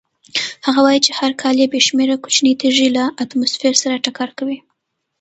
هغه وایي چې هر کال بې شمېره کوچنۍ تېږې له اتموسفیر سره ټکر کوي.